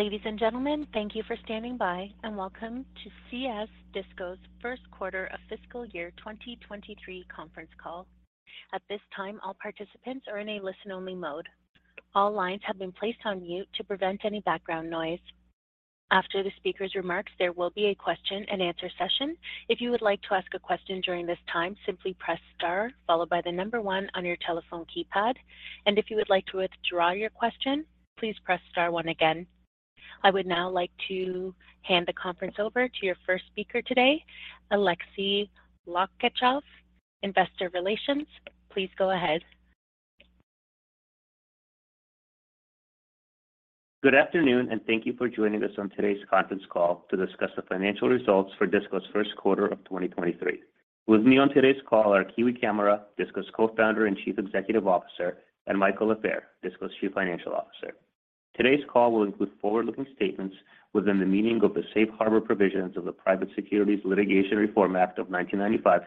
Ladies and gentlemen, thank you for standing by, and welcome to CS Disco's first quarter of fiscal year 2023 conference call. At this time, all participants are in a listen-only mode. All lines have been placed on mute to prevent any background noise. After the speaker's remarks, there will be a question and answer session. If you would like to ask a question during this time, simply press Star followed by the number one on your telephone keypad. If you would like to withdraw your question, please press Star one again. I would now like to hand the conference over to your first speaker today, Aleksey Lakchakov, Investor Relations. Please go ahead. Good afternoon, and thank you for joining us on today's conference call to discuss the financial results for DISCO's 1st quarter of 2023. With me on today's call are Kiwi Camara, DISCO's Co-Founder and Chief Executive Officer, and Michael Lafair, DISCO's Chief Financial Officer. Today's call will include forward-looking statements within the meaning of the Safe Harbor provisions of the Private Securities Litigation Reform Act of 1995,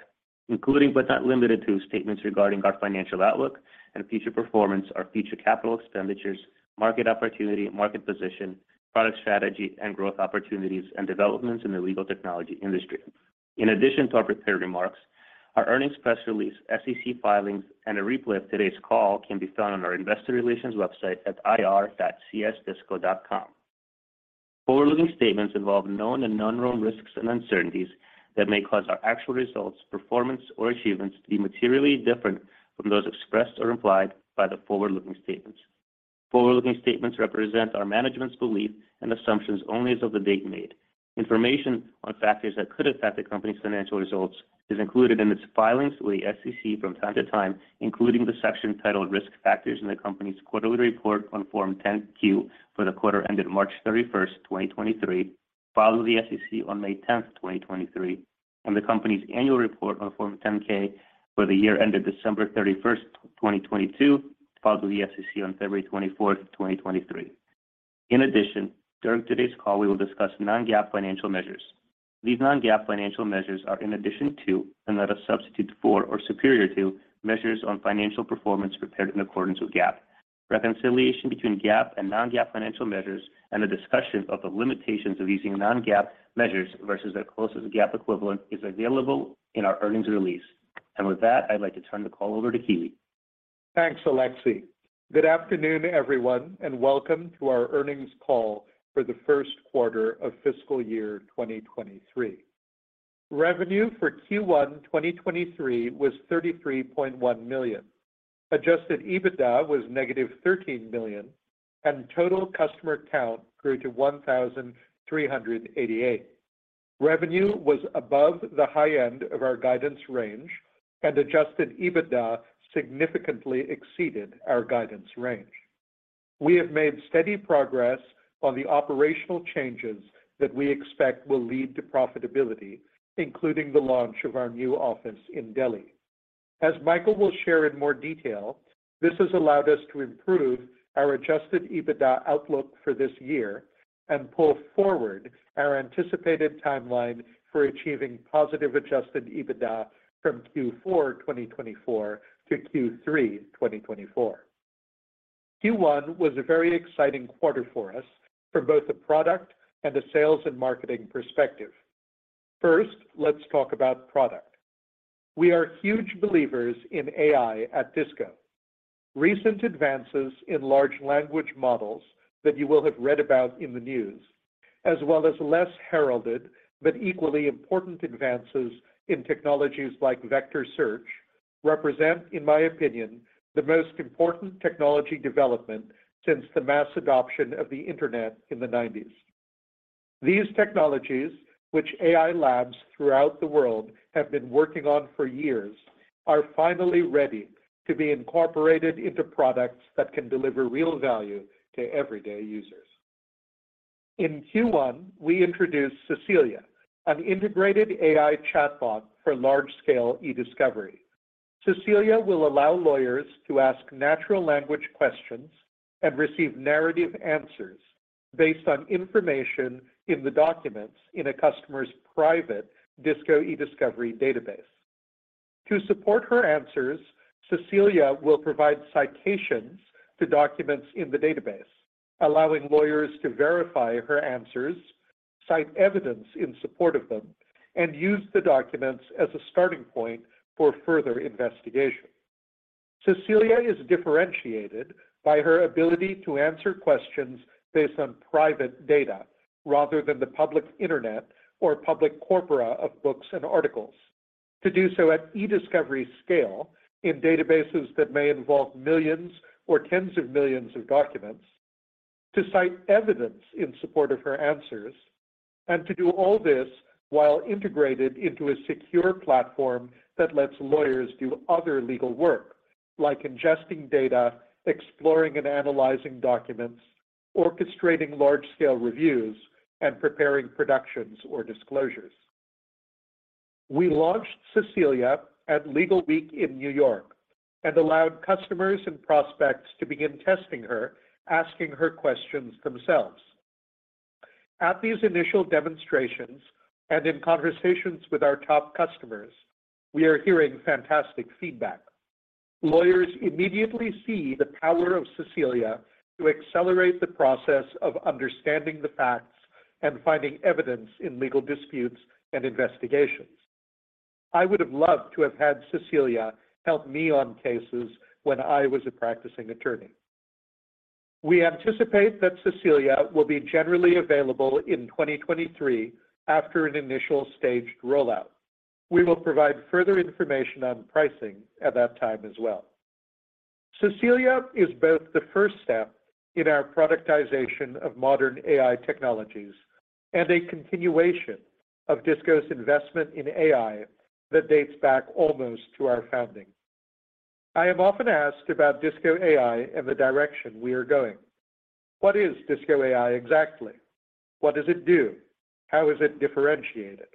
including but not limited to statements regarding our financial outlook and future performance, our future capital expenditures, market opportunity, market position, product strategy, and growth opportunities, and developments in the legal technology industry. In addition to our prepared remarks, our earnings press release, SEC filings, and a replay of today's call can be found on our investor relations website at ir.csdisco.com. Forward-looking statements involve known and unknown risks and uncertainties that may cause our actual results, performance, or achievements to be materially different from those expressed or implied by the forward-looking statements. Forward-looking statements represent our management's belief and assumptions only as of the date made. Information on factors that could affect the company's financial results is included in its filings with the SEC from time to time, including the section titled Risk Factors in the company's quarterly report on Form 10-Q for the quarter ended March 31st, 2023, filed with the SEC on May 10th, 2023, and the company's annual report on Form 10-K for the year ended December 31st, 2022, filed with the SEC on February 24th, 2023. In addition, during today's call, we will discuss non-GAAP financial measures. These non-GAAP financial measures are in addition to, and not a substitute for, or superior to, measures on financial performance prepared in accordance with GAAP. Reconciliation between GAAP and non-GAAP financial measures and a discussion of the limitations of using non-GAAP measures versus their closest GAAP equivalent is available in our earnings release. With that, I'd like to turn the call over to Kiwi. Thanks, Aleksey. Good afternoon, everyone, welcome to our earnings call for the first quarter of fiscal year 2023. Revenue for Q1 2023 was $33.1 million. Adjusted EBITDA was -$13 million. Total customer count grew to 1,388. Revenue was above the high end of our guidance range. Adjusted EBITDA significantly exceeded our guidance range. We have made steady progress on the operational changes that we expect will lead to profitability, including the launch of our new office in Delhi. As Michael will share in more detail, this has allowed us to improve our Adjusted EBITDA outlook for this year and pull forward our anticipated timeline for achieving positive Adjusted EBITDA from Q4 2024 to Q3 2024. Q1 was a very exciting quarter for us for both the product and the sales and marketing perspective. First, let's talk about product. We are huge believers in AI at DISCO. Recent advances in large language models that you will have read about in the news, as well as less heralded but equally important advances in technologies like vector search, represent, in my opinion, the most important technology development since the mass adoption of the Internet in the nineties. These technologies, which AI labs throughout the world have been working on for years, are finally ready to be incorporated into products that can deliver real value to everyday users. In Q1, we introduced Cecilia, an integrated AI chatbot for large-scale eDiscovery. Cecilia will allow lawyers to ask natural language questions and receive narrative answers based on information in the documents in a customer's private DISCO Ediscovery database. To support her answers, Cecilia will provide citations to documents in the database, allowing lawyers to verify her answers, cite evidence in support of them, and use the documents as a starting point for further investigation. Cecilia is differentiated by her ability to answer questions based on private data rather than the public internet or public corpora of books and articles. To do so at eDiscovery scale in databases that may involve millions or tens of millions of documents, to cite evidence in support of her answers, and to do all this while integrated into a secure platform that lets lawyers do other legal work like ingesting data, exploring and analyzing documents, orchestrating large-scale reviews, and preparing productions or disclosures. We launched Cecilia at Legalweek in New York and allowed customers and prospects to begin testing her, asking her questions themselves. At these initial demonstrations and in conversations with our top customers, we are hearing fantastic feedback. Lawyers immediately see the power of Cecilia to accelerate the process of understanding the facts and finding evidence in legal disputes and investigations. I would have loved to have had Cecilia help me on cases when I was a practicing attorney. We anticipate that Cecilia will be generally available in 2023 after an initial staged rollout. We will provide further information on pricing at that time as well. Cecilia is both the first step in our productization of modern AI technologies and a continuation of DISCO's investment in AI that dates back almost to our founding. I am often asked about DISCO AI and the direction we are going. What is DISCO AI exactly? What does it do? How is it differentiated?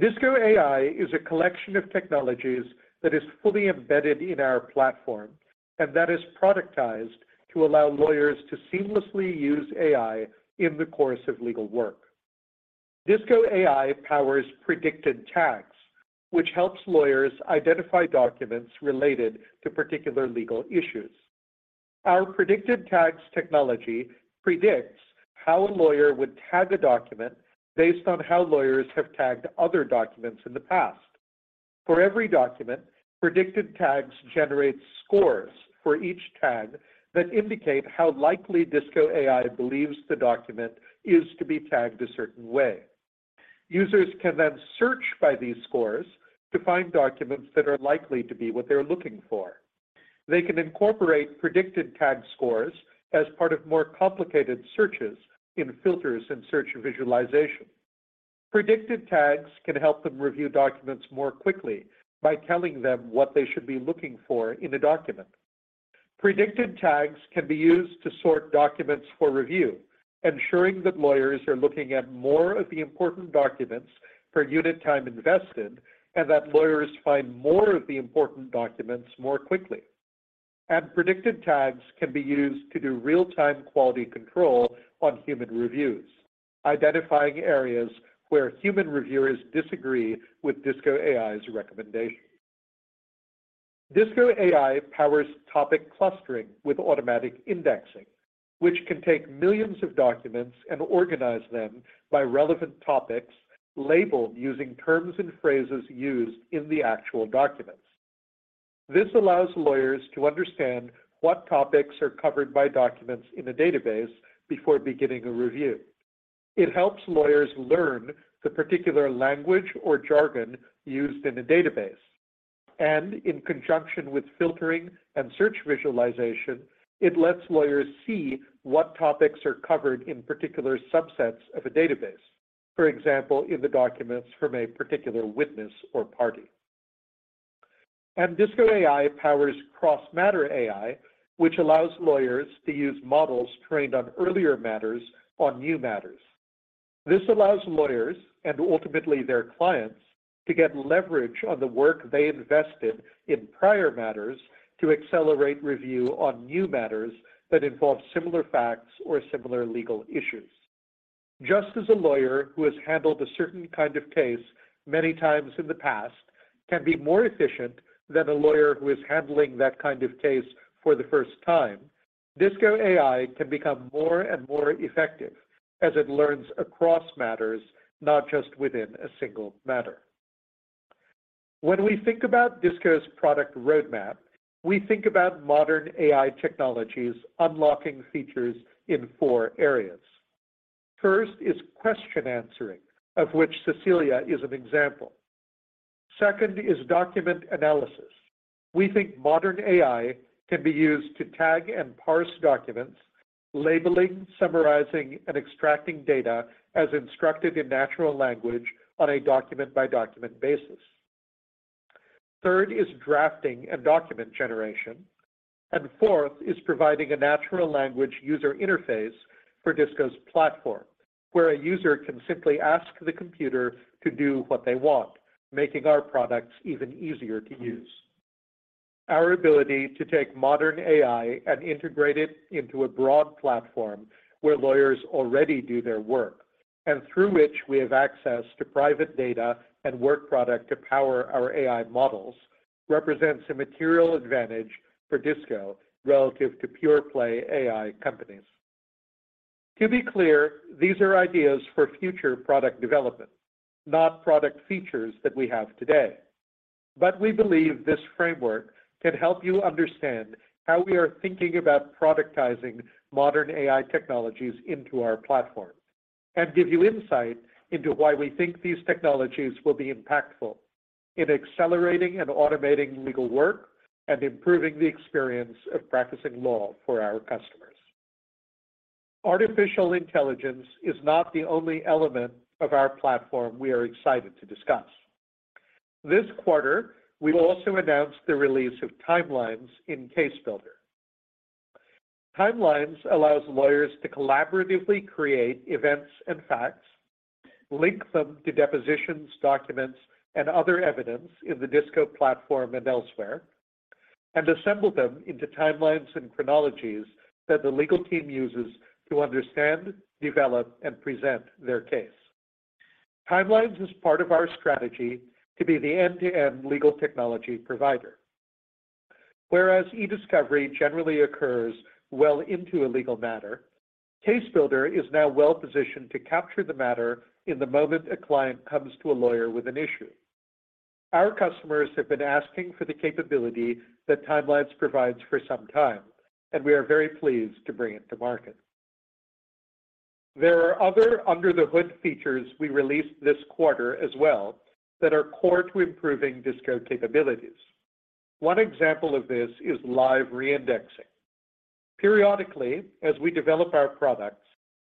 DISCO AI is a collection of technologies that is fully embedded in our platform, and that is productized to allow lawyers to seamlessly use AI in the course of legal work. DISCO AI powers Predicted Tags, which helps lawyers identify documents related to particular legal issues. Our Predicted Tags technology predicts how a lawyer would tag a document based on how lawyers have tagged other documents in the past. For every document, Predicted Tags generates scores for each tag that indicate how likely DISCO AI believes the document is to be tagged a certain way. Users can then search by these scores to find documents that are likely to be what they're looking for. They can incorporate Predicted Tag scores as part of more complicated searches in filters and search visualization. Predicted tags can help them review documents more quickly by telling them what they should be looking for in a document. Predicted tags can be used to sort documents for review, ensuring that lawyers are looking at more of the important documents per unit time invested, and that lawyers find more of the important documents more quickly. Predicted tags can be used to do real-time quality control on human reviews, identifying areas where human reviewers disagree with DISCO AI's recommendation. DISCO AI powers topic clustering with automatic indexing, which can take millions of documents and organize them by relevant topics labeled using terms and phrases used in the actual documents. This allows lawyers to understand what topics are covered by documents in a database before beginning a review. It helps lawyers learn the particular language or jargon used in a database. In conjunction with filtering and search visualization, it lets lawyers see what topics are covered in particular subsets of a database, for example, in the documents from a particular witness or party. DISCO AI powers cross-matter AI, which allows lawyers to use models trained on earlier matters on new matters. This allows lawyers, and ultimately their clients, to get leverage on the work they invested in prior matters to accelerate review on new matters that involve similar facts or similar legal issues. Just as a lawyer who has handled a certain kind of case many times in the past can be more efficient than a lawyer who is handling that kind of case for the first time, DISCO AI can become more and more effective as it learns across matters, not just within a single matter. When we think about DISCO's product roadmap, we think about modern AI technologies unlocking features in four areas. First is question answering, of which Cecilia is an example. Second is document analysis. We think modern AI can be used to tag and parse documents, labeling, summarizing, and extracting data as instructed in natural language on a document-by-document basis. Third is drafting and document generation. Fourth is providing a natural language user interface for DISCO's platform, where a user can simply ask the computer to do what they want, making our products even easier to use. Our ability to take modern AI and integrate it into a broad platform where lawyers already do their work, and through which we have access to private data and work product to power our AI models, represents a material advantage for DISCO relative to pure-play AI companies. To be clear, these are ideas for future product development, not product features that we have today. We believe this framework can help you understand how we are thinking about productizing modern AI technologies into our platform and give you insight into why we think these technologies will be impactful in accelerating and automating legal work and improving the experience of practicing law for our customers. Artificial intelligence is not the only element of our platform we are excited to discuss. This quarter, we will also announce the release of Timelines in Case Builder. Timelines allows lawyers to collaboratively create events and facts, link them to depositions, documents, and other evidence in the DISCO platform and elsewhere, and assemble them into timelines and chronologies that the legal team uses to understand, develop, and present their case. Timelines is part of our strategy to be the end-to-end legal technology provider. Whereas eDiscovery generally occurs well into a legal matter, CaseBuilder is now well-positioned to capture the matter in the moment a client comes to a lawyer with an issue. Our customers have been asking for the capability that Timelines provides for some time, and we are very pleased to bring it to market. There are other under-the-hood features we released this quarter as well that are core to improving DISCO capabilities. One example of this is live re-indexing. Periodically, as we develop our products,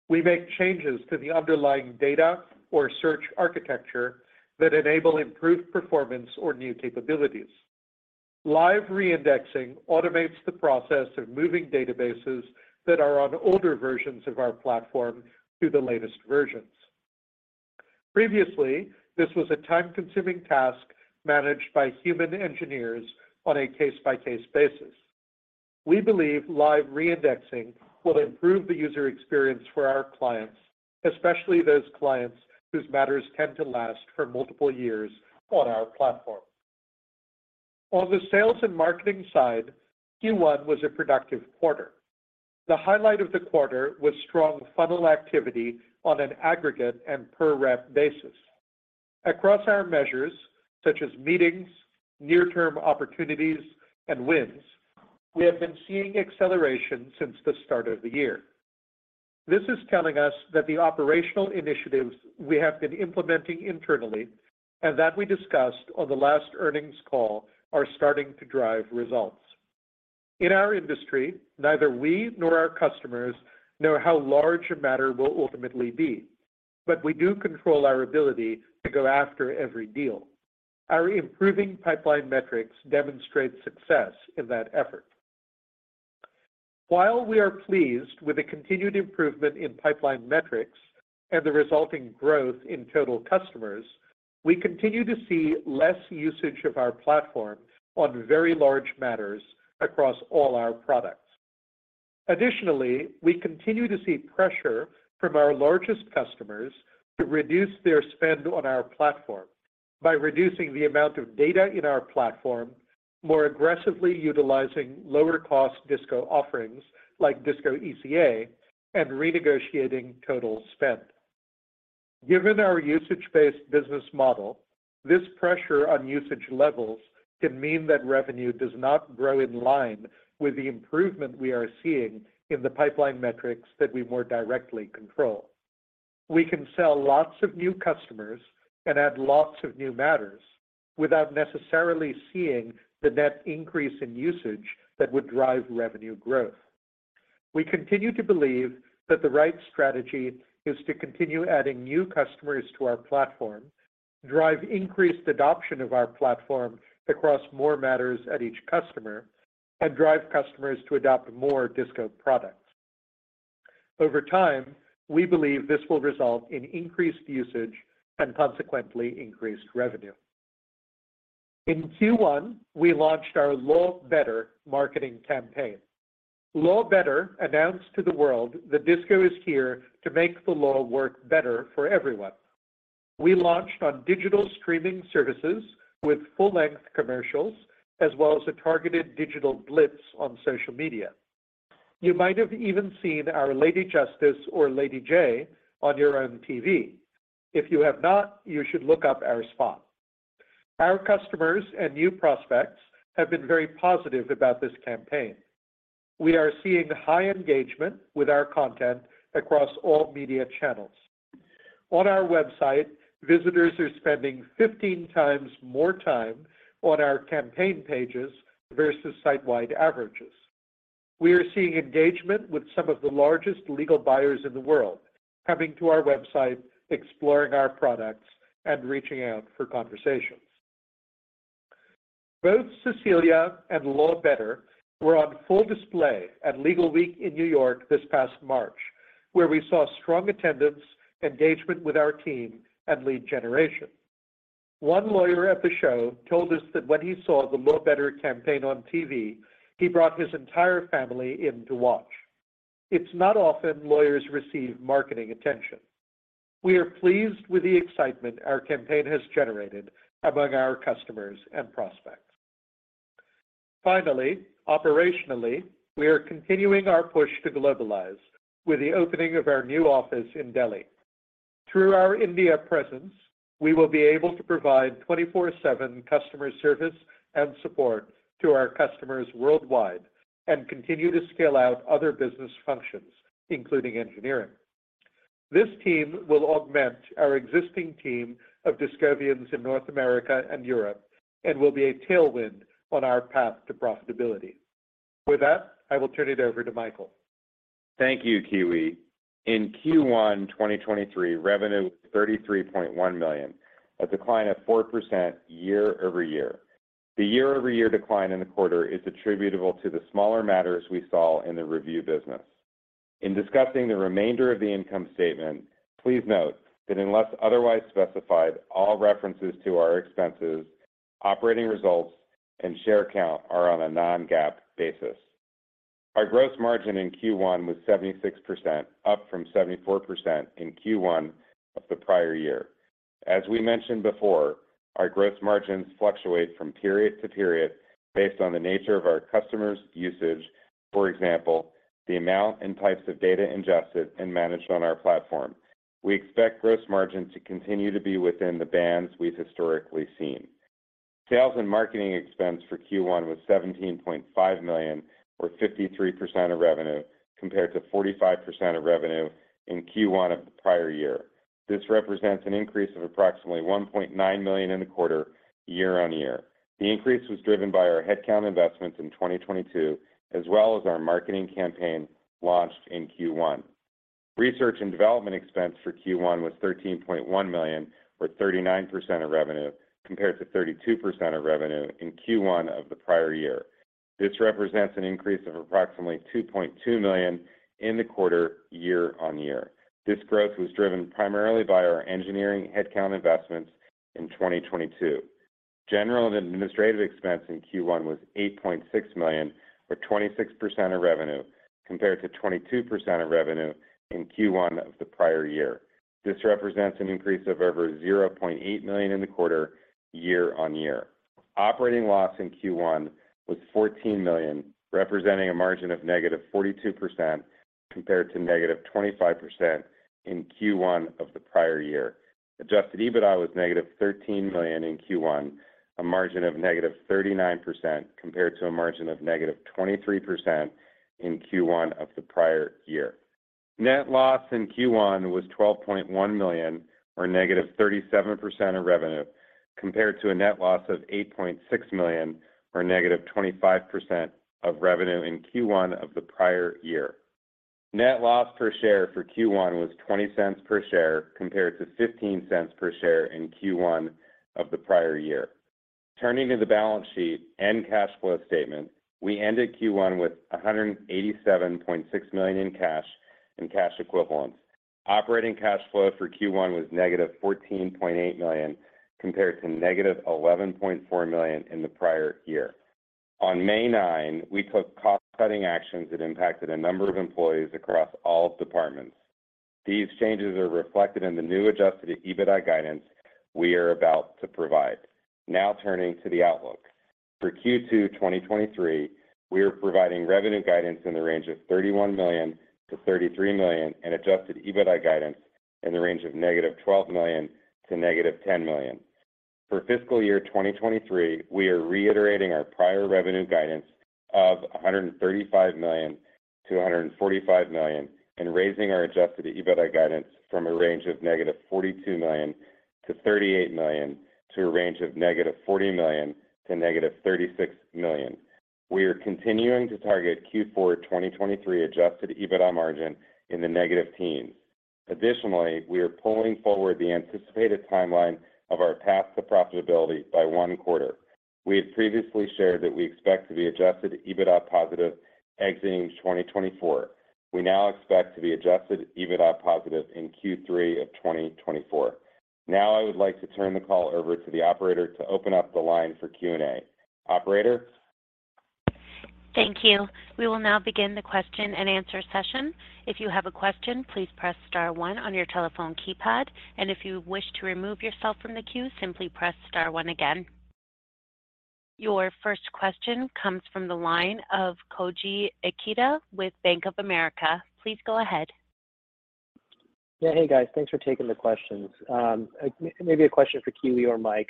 we make changes to the underlying data or search architecture that enable improved performance or new capabilities. Live re-indexing automates the process of moving databases that are on older versions of our platform to the latest versions. Previously, this was a time-consuming task managed by human engineers on a case-by-case basis. We believe live re-indexing will improve the user experience for our clients, especially those clients whose matters tend to last for multiple years on our platform. On the sales and marketing side, Q1 was a productive quarter. The highlight of the quarter was strong funnel activity on an aggregate and per-rep basis. Across our measures, such as meetings, near-term opportunities, and wins, we have been seeing acceleration since the start of the year. This is telling us that the operational initiatives we have been implementing internally and that we discussed on the last earnings call are starting to drive results. In our industry, neither we nor our customers know how large a matter will ultimately be, but we do control our ability to go after every deal. Our improving pipeline metrics demonstrate success in that effort. While we are pleased with the continued improvement in pipeline metrics and the resulting growth in total customers, we continue to see less usage of our platform on very large matters across all our products. Additionally, we continue to see pressure from our largest customers to reduce their spend on our platform by reducing the amount of data in our platform, more aggressively utilizing lower-cost DISCO offerings like DISCO ECA, and renegotiating total spend. Given our usage-based business model, this pressure on usage levels can mean that revenue does not grow in line with the improvement we are seeing in the pipeline metrics that we more directly control. We can sell lots of new customers and add lots of new matters without necessarily seeing the net increase in usage that would drive revenue growth. We continue to believe that the right strategy is to continue adding new customers to our platform, drive increased adoption of our platform across more matters at each customer, and drive customers to adopt more DISCO products. Over time, we believe this will result in increased usage and consequently increased revenue. In Q1, we launched our Law Better marketing campaign. Law Better announced to the world that DISCO is here to make the law work better for everyone. We launched on digital streaming services with full-length commercials as well as a targeted digital blitz on social media. You might have even seen our Lady Justice or Lady J on your own TV. If you have not, you should look up our spot. Our customers and new prospects have been very positive about this campaign. We are seeing high engagement with our content across all media channels. On our website, visitors are spending 15 times more time on our campaign pages versus site-wide averages. We are seeing engagement with some of the largest legal buyers in the world, coming to our website, exploring our products, and reaching out for conversations. Both DISCO Cecilia and Law Better were on full display at Legalweek in New York this past March, where we saw strong attendance, engagement with our team, and lead generation. One lawyer at the show told us that when he saw the Law Better campaign on TV, he brought his entire family in to watch. It's not often lawyers receive marketing attention. We are pleased with the excitement our campaign has generated among our customers and prospects. Finally, operationally, we are continuing our push to globalize with the opening of our new office in Delhi. Through our India presence, we will be able to provide 24/7 customer service and support to our customers worldwide and continue to scale out other business functions, including engineering. This team will augment our existing team of Discovians in North America and Europe and will be a tailwind on our path to profitability. With that, I will turn it over to Michael. Thank you, Kiwi. In Q1 2023, revenue was $33.1 million, a decline of 4% year-over-year. The year-over-year decline in the quarter is attributable to the smaller matters we saw in the review business. In discussing the remainder of the income statement, please note that unless otherwise specified, all references to our expenses, operating results, and share count are on a non-GAAP basis. Our gross margin in Q1 was 76%, up from 74% in Q1 of the prior year. As we mentioned before, our gross margins fluctuate from period to period based on the nature of our customers' usage, for example, the amount and types of data ingested and managed on our platform. We expect gross margin to continue to be within the bands we've historically seen. Sales and marketing expense for Q1 was $17.5 million, or 53% of revenue, compared to 45% of revenue in Q1 of the prior year. This represents an increase of approximately $1.9 million in the quarter year-over-year. The increase was driven by our headcount investments in 2022, as well as our marketing campaign launched in Q1. Research and development expense for Q1 was $13.1 million, or 39% of revenue, compared to 32% of revenue in Q1 of the prior year. This represents an increase of approximately $2.2 million in the quarter year-over-year. This growth was driven primarily by our engineering headcount investments in 2022. General and administrative expense in Q1 was $8.6 million, or 26% of revenue, compared to 22% of revenue in Q1 of the prior year. This represents an increase of over $0.8 million in the quarter year-over-year. Operating loss in Q1 was -$14 million, representing a margin of -42% compared to -25% in Q1 of the prior year. Adjusted EBITDA was -$13 million in Q1, a margin of -39% compared to a margin of -23% in Q1 of the prior year. Net loss in Q1 was -$12.1 million or -37% of revenue, compared to a net loss of -$8.6 million or -25% of revenue in Q1 of the prior year. Net loss per share for Q1 was $0.20 per share compared to $0.15 per share in Q1 of the prior year. Turning to the balance sheet and cash flow statement, we ended Q1 with $187.6 million in cash and cash equivalents. Operating cash flow for Q1 was negative $14.8 million compared to negative $11.4 million in the prior year. On May nine, we took cost-cutting actions that impacted a number of employees across all departments. These changes are reflected in the new Adjusted EBITDA guidance we are about to provide. Turning to the outlook. For Q2 2023, we are providing revenue guidance in the range of $31 million-$33 million and Adjusted EBITDA guidance in the range of negative $12 million to negative $10 million. For fiscal year 2023, we are reiterating our prior revenue guidance of $135 million-$145 million and raising our Adjusted EBITDA guidance from a range of -$42 million to $38 million to a range of -$40 million--$36 million. We are continuing to target Q4 2023 Adjusted EBITDA margin in the negative teens. Additionally, we are pulling forward the anticipated timeline of our path to profitability by one quarter. We had previously shared that we expect to be Adjusted EBITDA positive exiting 2024. We now expect to be Adjusted EBITDA positive in Q3 of 2024. Now I would like to turn the call over to the operator to open up the line for Q&A. Operator? Thank you. We will now begin the question and answer session. If you have a question, please press star one on your telephone keypad. If you wish to remove yourself from the queue, simply press star one again. Your first question comes from the line of Koji Ikeda with Bank of America. Please go ahead. Yeah. Hey, guys. Thanks for taking the questions. Maybe a question for Kiwi or Mike.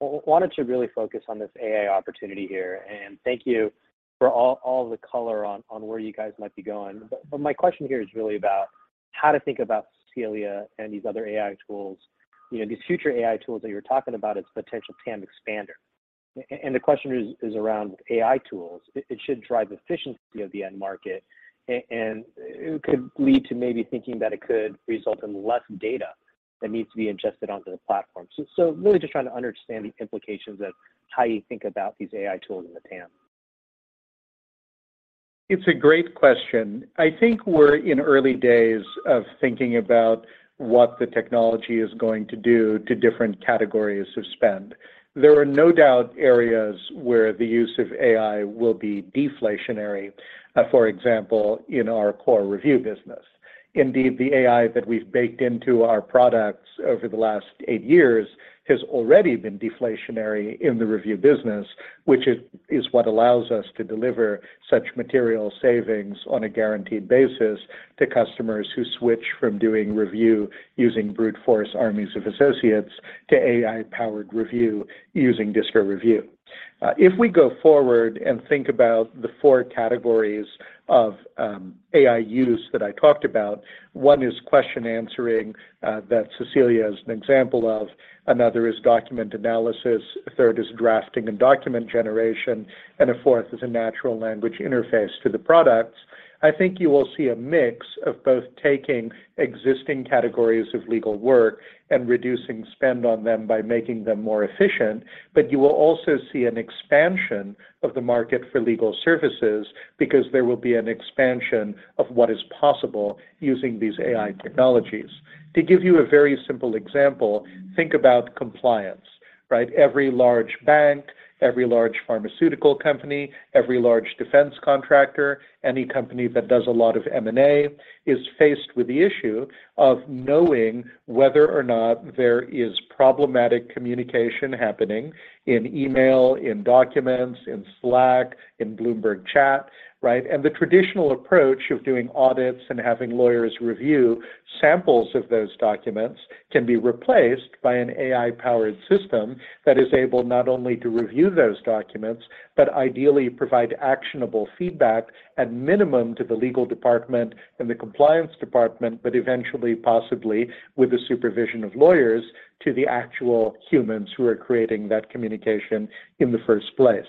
wanted to really focus on this AI opportunity here. Thank you for all the color on where you guys might be going. My question here is really about how to think about Cecilia and these other AI tools. You know, these future AI tools that you're talking about as potential TAM expander. The question is around AI tools. It should drive efficiency of the end market and it could lead to maybe thinking that it could result in less data that needs to be ingested onto the platform. Really just trying to understand the implications of how you think about these AI tools in the TAM. It's a great question. I think we're in early days of thinking about what the technology is going to do to different categories of spend. There are no doubt areas where the use of AI will be deflationary, for example, in our core review business. Indeed, the AI that we've baked into our products over the last 8 years has already been deflationary in the review business, which is what allows us to deliver such material savings on a guaranteed basis to customers who switch from doing review using brute force armies of associates to AI-powered review using DISCO Review. If we go forward and think about the 4 categories of AI use that I talked about, one is question answering, that DISCO Cecilia is an example of. Another is document analysis. A third is drafting and document generation. A fourth is a natural language interface to the products. I think you will see a mix of both taking existing categories of legal work and reducing spend on them by making them more efficient. You will also see an expansion of the market for legal services because there will be an expansion of what is possible using these AI technologies. To give you a very simple example, think about compliance, right? Every large bank, every large pharmaceutical company, every large defense contractor, any company that does a lot of M&A is faced with the issue of knowing whether or not there is problematic communication happening in email, in documents, in Slack, in Bloomberg Chat, right? The traditional approach of doing audits and having lawyers review samples of those documents can be replaced by an AI-powered system that is able not only to review those documents but ideally provide actionable feedback at minimum to the legal department and the compliance department, but eventually possibly with the supervision of lawyers to the actual humans who are creating that communication in the first place.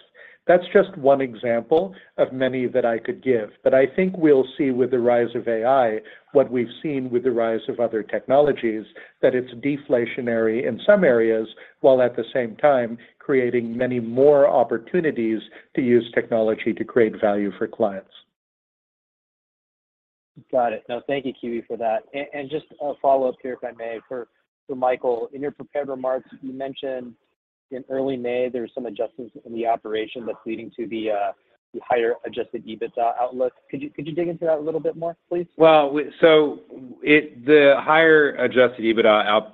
That's just one example of many that I could give, but I think we'll see with the rise of AI what we've seen with the rise of other technologies, that it's deflationary in some areas, while at the same time creating many more opportunities to use technology to create value for clients. Got it. No, thank you, Kiwi, for that. Just a follow-up here, if I may, for Michael. In your prepared remarks, you mentioned in early May there were some adjustments in the operation that's leading to the higher Adjusted EBITDA outlook. Could you dig into that a little bit more, please? The higher Adjusted EBITDA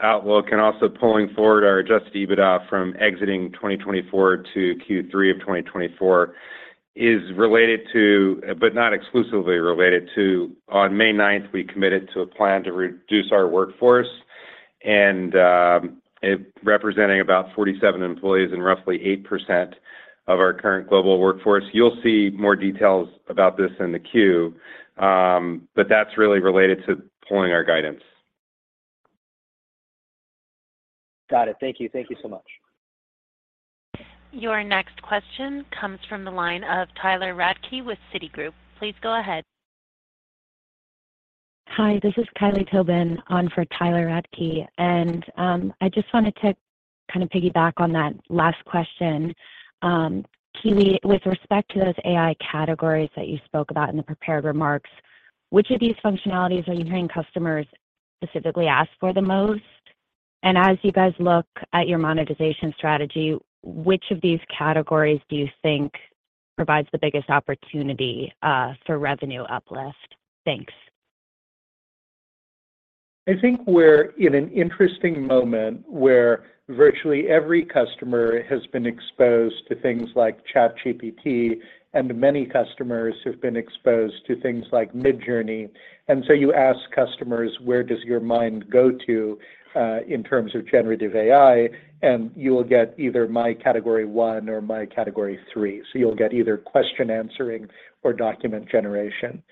outlook and also pulling forward our Adjusted EBITDA from exiting 2024 to Q3 of 2024 is related to, but not exclusively related to, on May ninth we committed to a plan to reduce our workforce and it representing about 47 employees and roughly 8% of our current global workforce. You'll see more details about this in the Form 10-Q, that's really related to pulling our guidance. Got it. Thank you. Thank you so much. Your next question comes from the line of Tyler Radke with Citigroup. Please go ahead. Hi, this is Kylie Tobin on for Tyler Radke. I just wanted to kind of piggyback on that last question. Kiwi, with respect to those AI categories that you spoke about in the prepared remarks, which of these functionalities are you hearing customers specifically ask for the most? As you guys look at your monetization strategy, which of these categories do you think provides the biggest opportunity for revenue uplift? Thanks. I think we're in an interesting moment where virtually every customer has been exposed to things like ChatGPT, and many customers have been exposed to things like Midjourney. You ask customers, "Where does your mind go to in terms of generative AI?" You will get either my category one or my category three. You'll get either question answering or document generation.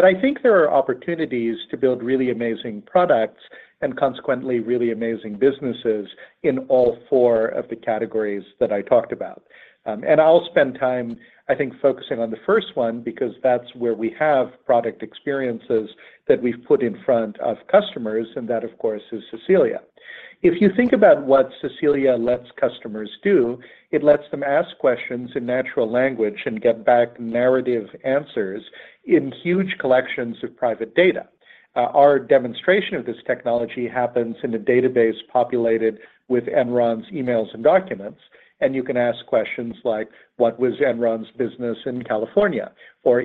I think there are opportunities to build really amazing products and consequently really amazing businesses in all four of the categories that I talked about. I'll spend time, I think, focusing on the first one because that's where we have product experiences that we've put in front of customers, and that, of course, is Cecilia. If you think about what Cecilia lets customers do, it lets them ask questions in natural language and get back narrative answers in huge collections of private data. Our demonstration of this technology happens in a database populated with Enron's emails and documents, and you can ask questions like, "What was Enron's business in California?"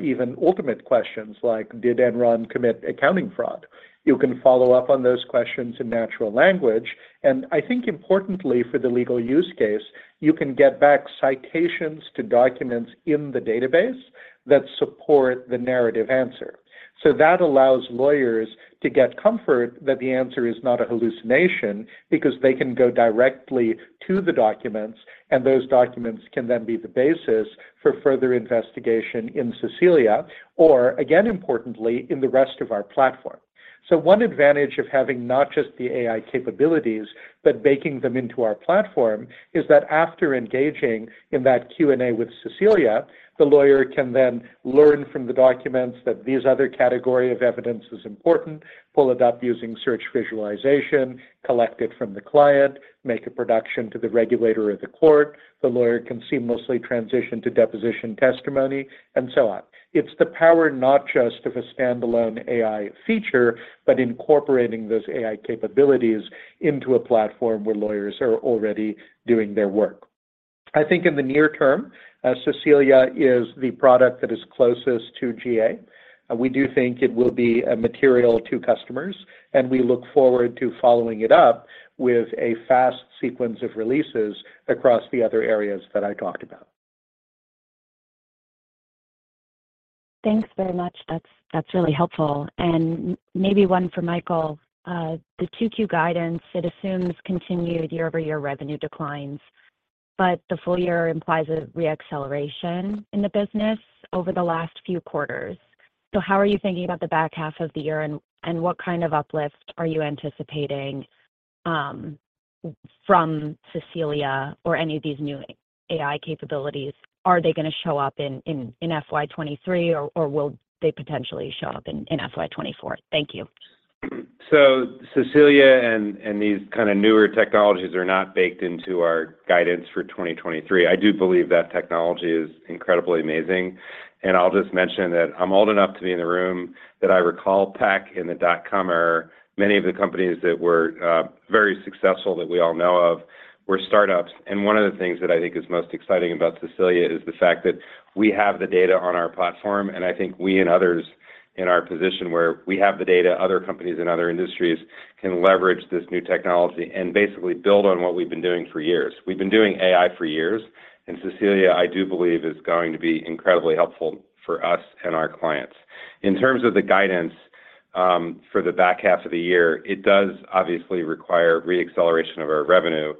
Even ultimate questions like, "Did Enron commit accounting fraud?" You can follow up on those questions in natural language, and I think importantly for the legal use case, you can get back citations to documents in the database that support the narrative answer. That allows lawyers to get comfort that the answer is not a hallucination because they can go directly to the documents, and those documents can then be the basis for further investigation in Cecilia or, again, importantly, in the rest of our platform. One advantage of having not just the AI capabilities but baking them into our platform is that after engaging in that Q&A with Cecilia, the lawyer can then learn from the documents that these other category of evidence is important, pull it up using search visualization, collect it from the client, make a production to the regulator or the court. The lawyer can seamlessly transition to deposition testimony, and so on. It's the power not just of a standalone AI feature, but incorporating those AI capabilities into a platform where lawyers are already doing their work. I think in the near term, Cecilia is the product that is closest to GA. We do think it will be material to customers, and we look forward to following it up with a fast sequence of releases across the other areas that I talked about. Thanks very much. That's really helpful. Maybe one for Michael. The 2Q guidance, it assumes continued year-over-year revenue declines. The full year implies a re-acceleration in the business over the last few quarters. How are you thinking about the back half of the year and what kind of uplift are you anticipating from DISCO Cecilia or any of these new AI capabilities? Are they gonna show up in FY 2023 or will they potentially show up in FY 2024? Thank you. Cecilia and these kind of newer technologies are not baked into our guidance for 2023. I do believe that technology is incredibly amazing, and I'll just mention that I'm old enough to be in the room that I recall tech in the dot-com era, many of the companies that were very successful that we all know of were startups. One of the things that I think is most exciting about Cecilia is the fact that we have the data on our platform, and I think we and others in our position where we have the data, other companies in other industries can leverage this new technology and basically build on what we've been doing for years. We've been doing AI for years, and Cecilia, I do believe, is going to be incredibly helpful for us and our clients. In terms of the guidance, for the back half of the year, it does obviously require re-acceleration of our revenue.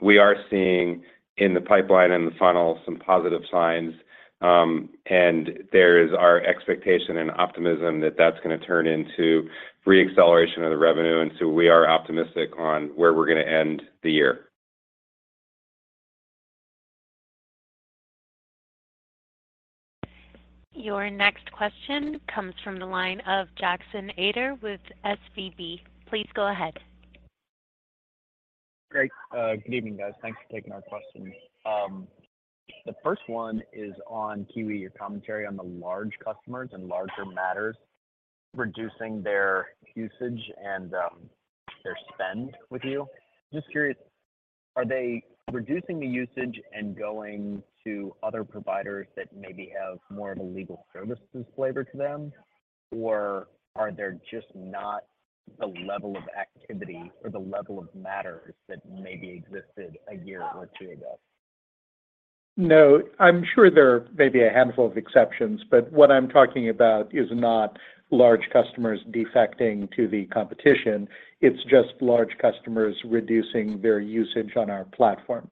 We are seeing in the pipeline and the funnel some positive signs, and there is our expectation and optimism that that's gonna turn into re-acceleration of the revenue. We are optimistic on where we're gonna end the year. Your next question comes from the line of Jackson Ader with SVB. Please go ahead. Great. Good evening, guys. Thanks for taking our questions. The first one is on Kiwi, your commentary on the large customers and larger matters reducing their usage and their spend with you. Just curious, are they reducing the usage and going to other providers that maybe have more of a legal services flavor to them? Are there just not the level of activity or the level of matters that maybe existed a year or two ago? No. I'm sure there may be a handful of exceptions, but what I'm talking about is not large customers defecting to the competition. It's just large customers reducing their usage on our platform.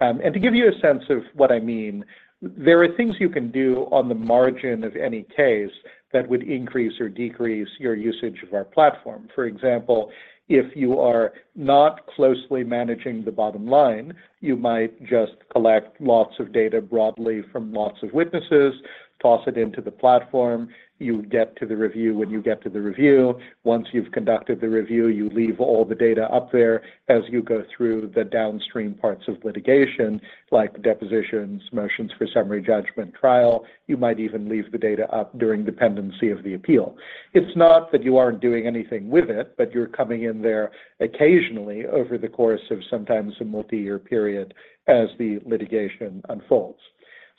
To give you a sense of what I mean, there are things you can do on the margin of any case that would increase or decrease your usage of our platform. For example, if you are not closely managing the bottom line, you might just collect lots of data broadly from lots of witnesses, toss it into the platform. You get to the review when you get to the review. Once you've conducted the review, you leave all the data up there as you go through the downstream parts of litigation, like depositions, motions for summary judgment, trial. You might even leave the data up during dependency of the appeal. It's not that you aren't doing anything with it, but you're coming in there occasionally over the course of sometimes a multi-year period as the litigation unfolds.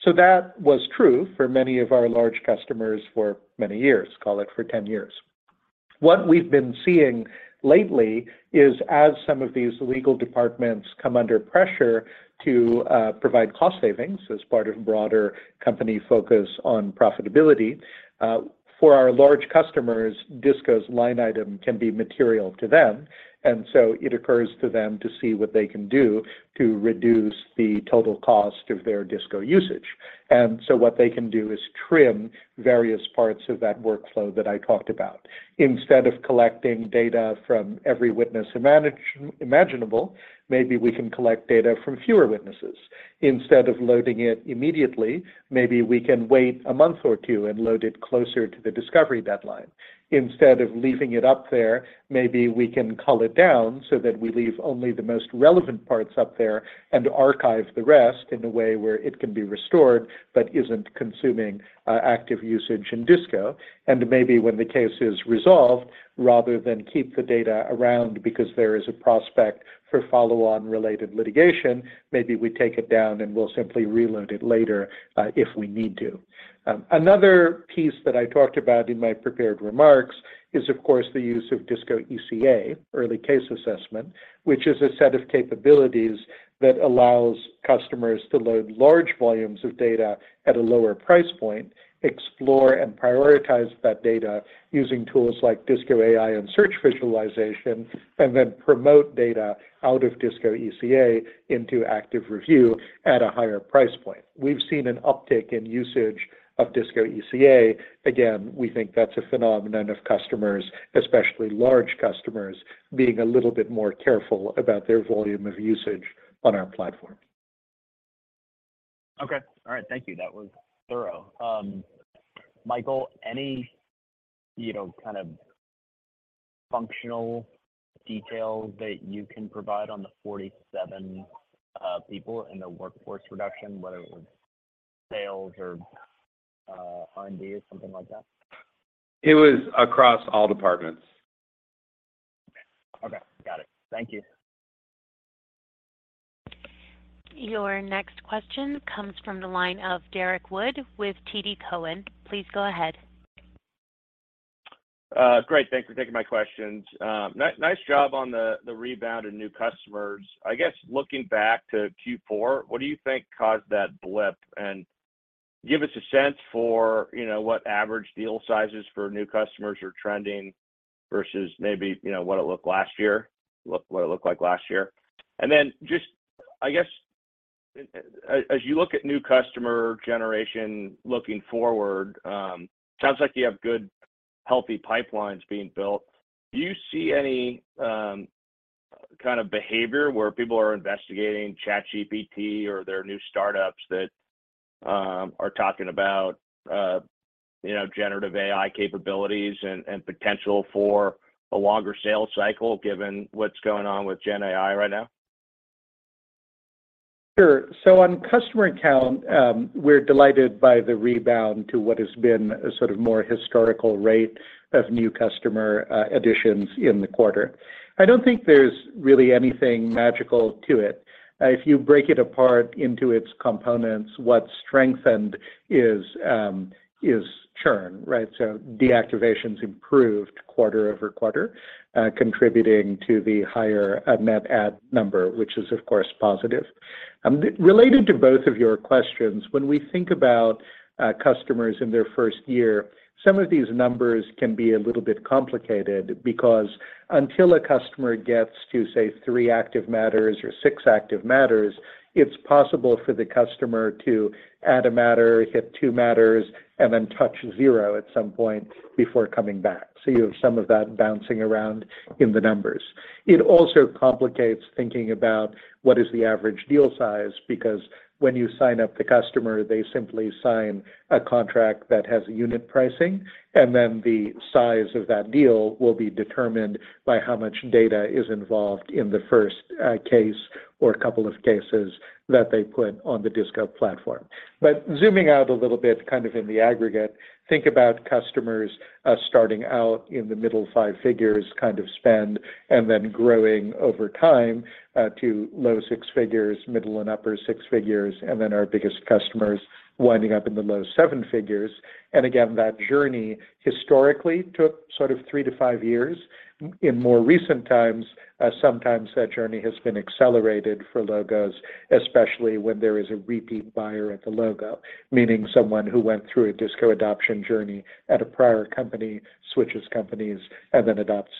That was true for many of our large customers for many years, call it for 10 years. What we've been seeing lately is as some of these legal departments come under pressure to provide cost savings as part of broader company focus on profitability, for our large customers, DISCO's line item can be material to them. It occurs to them to see what they can do to reduce the total cost of their DISCO usage. What they can do is trim various parts of that workflow that I talked about. Instead of collecting data from every witness imaginable, maybe we can collect data from fewer witnesses. Instead of loading it immediately, maybe we can wait a month or two and load it closer to the discovery deadline. Instead of leaving it up there, maybe we can cull it down so that we leave only the most relevant parts up there and archive the rest in a way where it can be restored, but isn't consuming active usage in DISCO. Maybe when the case is resolved, rather than keep the data around because there is a prospect for follow-on related litigation, maybe we take it down, and we'll simply reload it later if we need to. another piece that I talked about in my prepared remarks is, of course, the use of DISCO ECA, early case assessment, which is a set of capabilities that allows customers to load large volumes of data at a lower price point, explore and prioritize that data using tools like DISCO AI and search visualization, and then promote data out of DISCO ECA into active review at a higher price point. We've seen an uptick in usage of DISCO ECA. Again, we think that's a phenomenon of customers, especially large customers, being a little bit more careful about their volume of usage on our platform. Okay. All right. Thank you. That was thorough. Michael, any, you know, kind of functional details that you can provide on the 47 people in the workforce reduction, whether it was sales or R&D or something like that? It was across all departments. Okay. Okay. Got it. Thank you. Your next question comes from the line of Derrick Wood with TD Cowen. Please go ahead. Great. Thanks for taking my questions. nice job on the rebound in new customers. I guess looking back to Q4, what do you think caused that blip? Give us a sense for, you know, what average deal sizes for new customers are trending versus maybe, you know, what it looked last year, what it looked like last year. Just I guess as you look at new customer generation looking forward, sounds like you have good, healthy pipelines being built. Do you see any kind of behavior where people are investigating ChatGPT or their new startups that are talking about, you know, generative AI capabilities and potential for a longer sales cycle given what's going on with Gen AI right now. Sure. On customer count, we're delighted by the rebound to what has been a sort of more historical rate of new customer additions in the quarter. I don't think there's really anything magical to it. If you break it apart into its components, what's strengthened is churn, right? Deactivations improved quarter-over-quarter, contributing to the higher net add number, which is of course positive. Related to both of your questions, when we think about customers in their first year, some of these numbers can be a little bit complicated because until a customer gets to, say, three active matters or six active matters, it's possible for the customer to add a matter, hit two matters, and then touch zero at some point before coming back. You have some of that bouncing around in the numbers. It also complicates thinking about what is the average deal size, because when you sign up the customer, they simply sign a contract that has unit pricing, and then the size of that deal will be determined by how much data is involved in the first case or couple of cases that they put on the DISCO platform. Zooming out a little bit, kind of in the aggregate, think about customers starting out in the middle 5 figures kind of spend, and then growing over time to low 6 figures, middle and upper 6 figures, and then our biggest customers winding up in the low 7 figures. Again, that journey historically took sort of 3 to 5 years. In more recent times, sometimes that journey has been accelerated for logos, especially when there is a repeat buyer at the logo, meaning someone who went through a DISCO adoption journey at a prior company switches companies and then adopts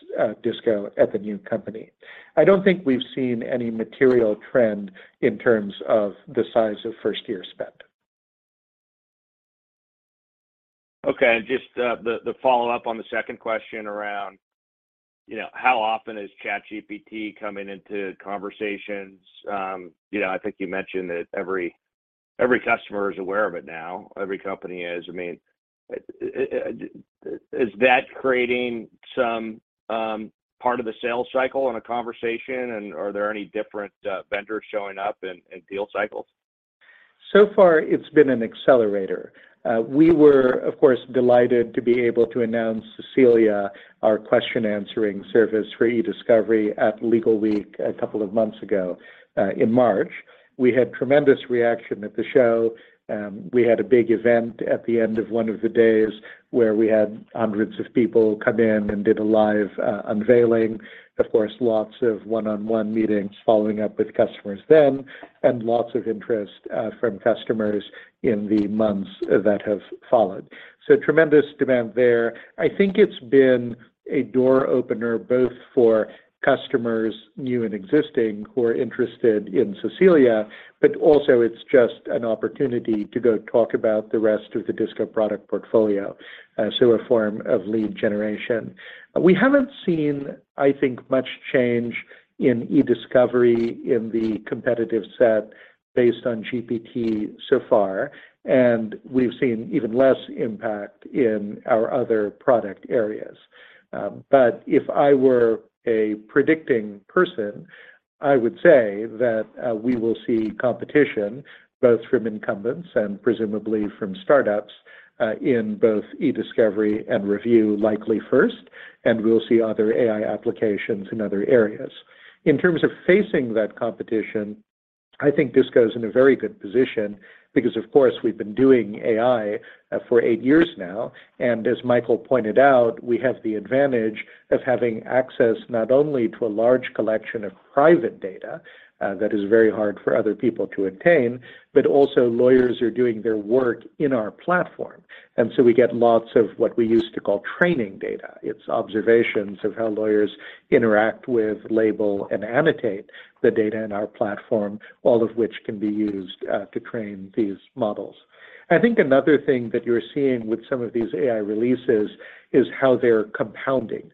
DISCO at the new company. I don't think we've seen any material trend in terms of the size of first-year spend. Okay. Just, the follow-up on the second question around, you know, how often is ChatGPT coming into conversations? You know, I think you mentioned that every customer is aware of it now, every company is. I mean, is that creating some part of the sales cycle in a conversation? Are there any different vendors showing up in deal cycles? So far, it's been an accelerator. We were, of course, delighted to be able to announce DISCO Cecilia, our question answering service for eDiscovery, at Legalweek a couple of months ago in March. We had tremendous reaction at the show. We had a big event at the end of one of the days where we had hundreds of people come in and did a live unveiling. Of course, lots of one-on-one meetings following up with customers then, and lots of interest from customers in the months that have followed. Tremendous demand there. I think it's been a door opener, both for customers, new and existing, who are interested in DISCO Cecilia, but also it's just an opportunity to go talk about the rest of the DISCO product portfolio. A form of lead generation. We haven't seen, I think, much change in eDiscovery in the competitive set based on GPT so far. We've seen even less impact in our other product areas. If I were a predicting person, I would say that we will see competition both from incumbents and presumably from startups in both eDiscovery and review likely first. We'll see other AI applications in other areas. In terms of facing that competition, I think DISCO's in a very good position because, of course, we've been doing AI for eight years now. As Michael pointed out, we have the advantage of having access not only to a large collection of private data that is very hard for other people to obtain, but also lawyers are doing their work in our platform. We get lots of what we used to call training data. It's observations of how lawyers interact with, label, and annotate the data in our platform, all of which can be used to train these models. I think another thing that you're seeing with some of these AI releases is how they're compounding.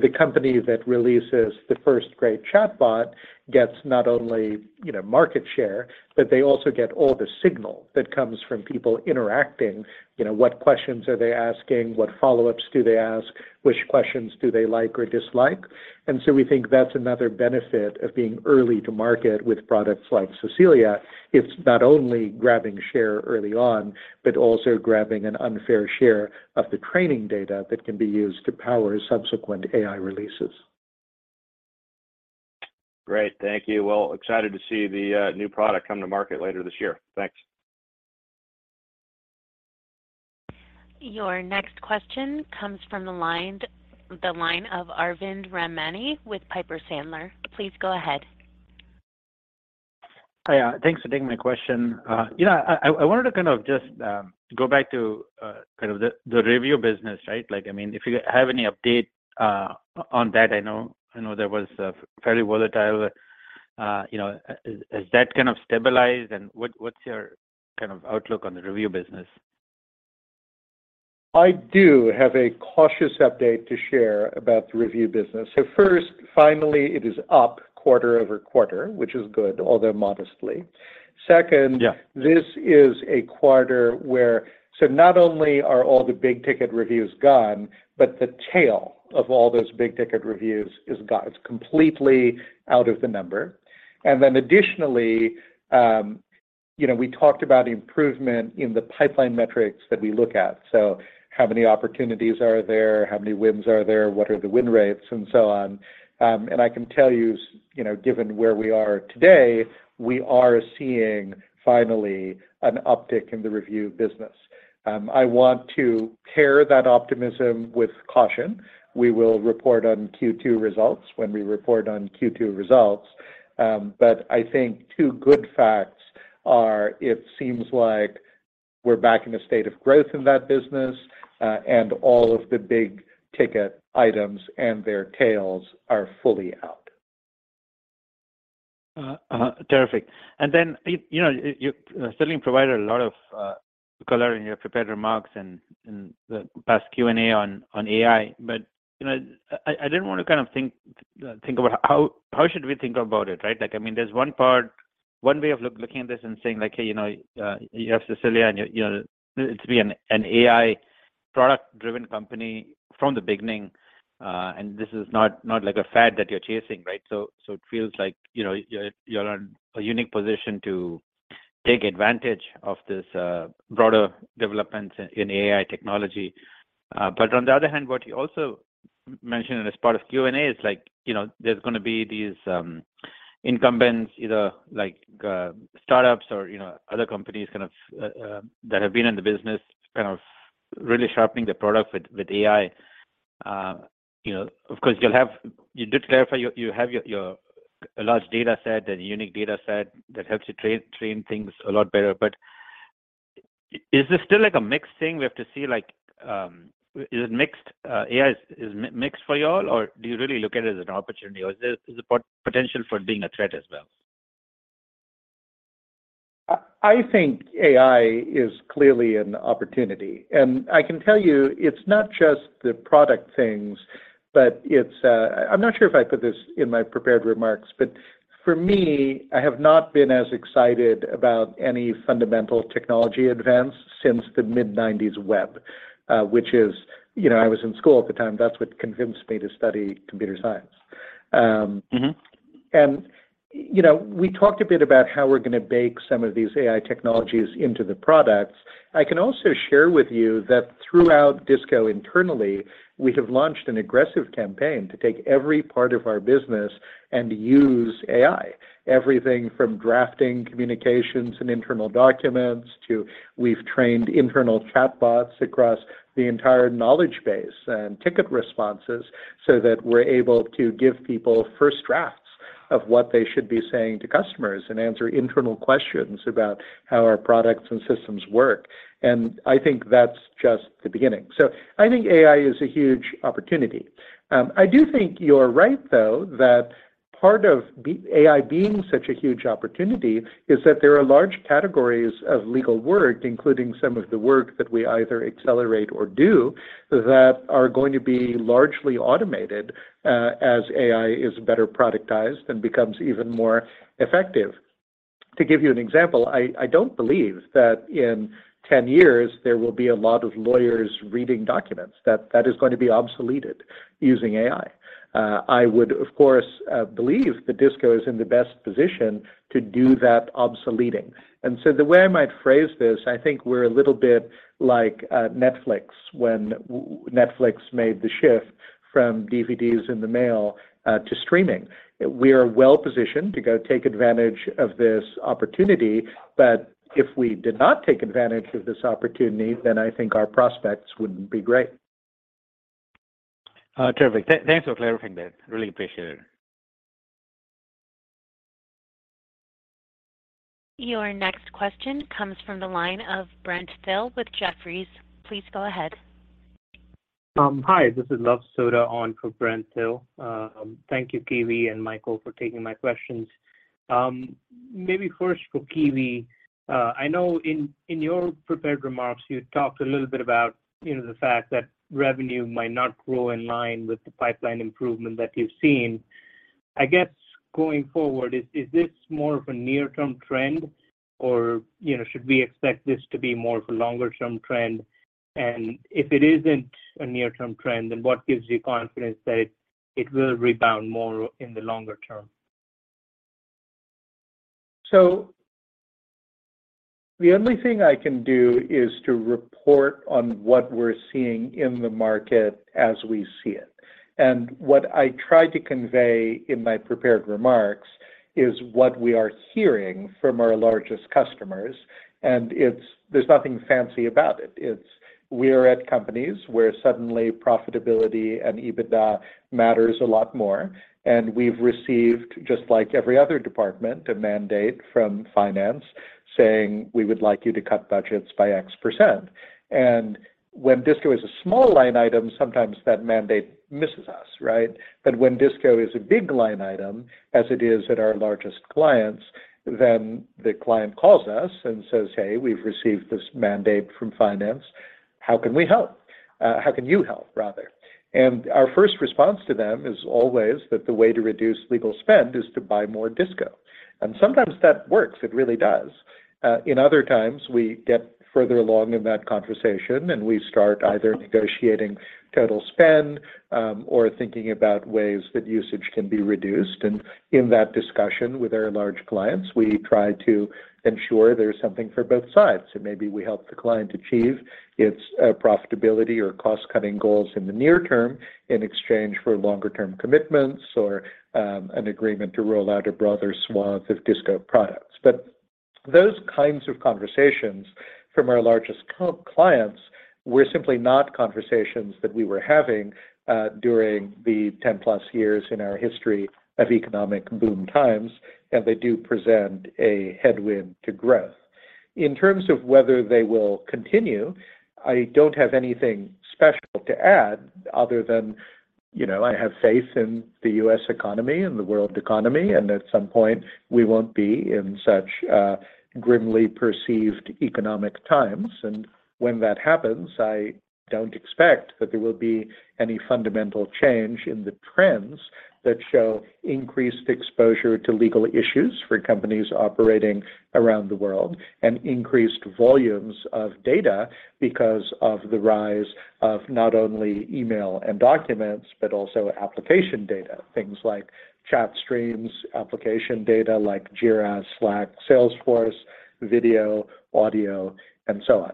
The company that releases the first great chatbot gets not only, you know, market share, but they also get all the signal that comes from people interacting. You know, what questions are they asking? What follow-ups do they ask? Which questions do they like or dislike? We think that's another benefit of being early to market with products like Cecilia. It's not only grabbing share early on, but also grabbing an unfair share of the training data that can be used to power subsequent AI releases. Great. Thank you. Well, excited to see the new product come to market later this year. Thanks. Your next question comes from the line of Arvind Ramnani with Piper Sandler. Please go ahead. Hi. Thanks for taking my question. You know, I wanted to kind of just go back to kind of the review business, right? Like, I mean, if you have any update on that. I know that was fairly volatile. You know, has that kind of stabilized, and what's your kind of outlook on the review business? I do have a cautious update to share about the review business. first, finally, it is up quarter-over-quarter, which is good, although modestly. Yeah. This is a quarter where not only are all the big-ticket reviews gone, but the tail of all those big-ticket reviews is gone. It's completely out of the number. Additionally, you know, we talked about improvement in the pipeline metrics that we look at. How many opportunities are there? How many wins are there? What are the win rates, and so on. I can tell you know, given where we are today, we are seeing finally an uptick in the review business. I want to pair that optimism with caution. We will report on Q2 results when we report on Q2 results. I think two good facts are, it seems like we're back in a state of growth in that business, all of the big-ticket items and their tails are fully out. Terrific. Then, you know, you certainly provided a lot of color in your prepared remarks and in the past Q&A on AI. You know, I didn't want to kind of think about how should we think about it, right? Like, I mean, there's one way of looking at this and saying, like, hey, you know, you have Cecilia and you know, to be an AI product-driven company from the beginning, and this is not like a fad that you're chasing, right? It feels like, you know, you're in a unique position to take advantage of this broader developments in AI technology. On the other hand, what you also mentioned and as part of Q&A is, you know, there's gonna be these incumbents, either, startups or, you know, other companies kind of that have been in the business kind of really sharpening the product with AI. You know, of course, you did clarify you have your large data set and unique data set that helps you train things a lot better. Is this still a mixed thing we have to see? Is it mixed AI is mixed for you all, or do you really look at it as an opportunity? Or is there, is the potential for being a threat as well? I think AI is clearly an opportunity. I can tell you it's not just the product things, but it's, I'm not sure if I put this in my prepared remarks. For me, I have not been as excited about any fundamental technology advance since the mid-nineties web, which is, you know, I was in school at the time. That's what convinced me to study computer science. Mm-hmm. You know, we talked a bit about how we're gonna bake some of these AI technologies into the products. I can also share with you that throughout DISCO internally, we have launched an aggressive campaign to take every part of our business and use AI. Everything from drafting communications and internal documents to we've trained internal chatbots across the entire knowledge base and ticket responses so that we're able to give people first drafts of what they should be saying to customers and answer internal questions about how our products and systems work. I think that's just the beginning. I think AI is a huge opportunity. I do think you're right, though, that part of AI being such a huge opportunity is that there are large categories of legal work, including some of the work that we either accelerate or do, that are going to be largely automated, as AI is better productized and becomes even more effective. To give you an example, I don't believe that in 10 years there will be a lot of lawyers reading documents. That is going to be obsoleted using AI. I would of course believe that DISCO is in the best position to do that obsoleting. The way I might phrase this, I think we're a little bit like Netflix when Netflix made the shift from DVDs in the mail to streaming. We are well positioned to go take advantage of this opportunity. If we did not take advantage of this opportunity, then I think our prospects wouldn't be great. Terrific. Thanks for clarifying that. Really appreciate it. Your next question comes from the line of Brent Thill with Jefferies. Please go ahead. Hi, this is Luv Sodha on for Brent Thill. Thank you, Kiwi and Michael, for taking my questions. Maybe first for Kiwi. I know in your prepared remarks, you talked a little bit about, you know, the fact that revenue might not grow in line with the pipeline improvement that you've seen. I guess going forward, is this more of a near-term trend or, you know, should we expect this to be more of a longer-term trend? If it isn't a near-term trend, then what gives you confidence that it will rebound more in the longer term? The only thing I can do is to report on what we're seeing in the market as we see it. What I tried to convey in my prepared remarks is what we are hearing from our largest customers. It's there's nothing fancy about it. It's we're at companies where suddenly profitability and EBITDA matters a lot more, and we've received, just like every other department, a mandate from finance saying, "We would like you to cut budgets by X%." When DISCO is a small line item, sometimes that mandate misses us, right? When DISCO is a big line item, as it is at our largest clients. The client calls us and says, "Hey, we've received this mandate from finance. How can we help? How can you help," rather. Our first response to them is always that the way to reduce legal spend is to buy more DISCO. Sometimes that works, it really does. In other times, we get further along in that conversation, and we start either negotiating total spend, or thinking about ways that usage can be reduced. In that discussion with our large clients, we try to ensure there's something for both sides. So maybe we help the client achieve its profitability or cost-cutting goals in the near term in exchange for longer term commitments or an agreement to roll out a broader swathe of DISCO products. Those kinds of conversations from our largest clients were simply not conversations that we were having during the 10-plus years in our history of economic boom times, and they do present a headwind to growth. In terms of whether they will continue, I don't have anything special to add other than, you know, I have faith in the U.S. economy and the world economy, and at some point, we won't be in such grimly perceived economic times. When that happens, I don't expect that there will be any fundamental change in the trends that show increased exposure to legal issues for companies operating around the world and increased volumes of data because of the rise of not only email and documents, but also application data, things like chat streams, application data like Jira, Slack, Salesforce, video, audio, and so on.